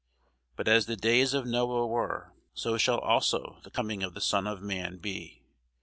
But as the days of Noe were, so shall also the coming of the Son of man be.